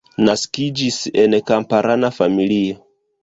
Naskiĝis en kamparana familio.